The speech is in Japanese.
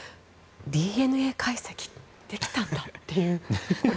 ＤＮＡ解析できたんだという。